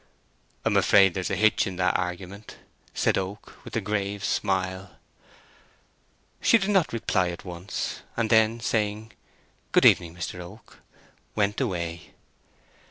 "I'm afraid there's a hitch in that argument," said Oak, with a grave smile. She did not reply at once, and then saying, "Good evening, Mr. Oak," went away.